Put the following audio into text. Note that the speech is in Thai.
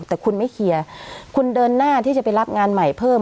แต่คุณไม่เคลียร์คุณเดินหน้าที่จะไปรับงานใหม่เพิ่ม